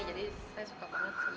jadi saya suka banget